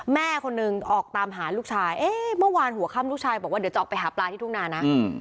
แม่คนหนึ่งออกตามหาลูกชายเอ๊ะเมื่อวานหัวค่ำลูกชายบอกว่าเดี๋ยวจะออกไปหาปลาที่ทุ่งนานะ